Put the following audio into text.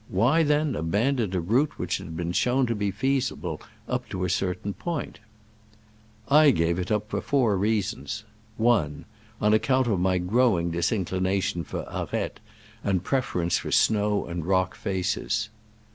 Why, then, abandon a route which had been shown to be feasible up to a certain point ? I gave it up for four reasons : i . On account of my growing disinclination for aretes, and preference for snow and rock faces.